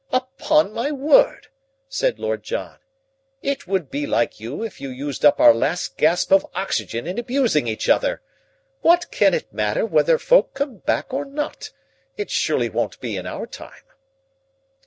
"Upon my word!" said Lord John. "It would be like you if you used up our last gasp of oxygen in abusing each other. What can it matter whether folk come back or not? It surely won't be in our time."